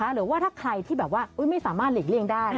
หรือว่าถ้าใครที่แบบว่าไม่สามารถหลีกเลี่ยงได้